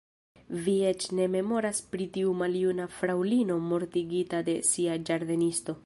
Vi eĉ ne memoras pri tiu maljuna fraŭlino mortigita de sia ĝardenisto.